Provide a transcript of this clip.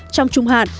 trong trung hạn